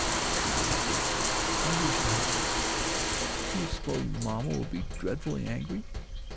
she lamented. "I wish I hadn't. Do you s'pose mamma will be dreadfully angry?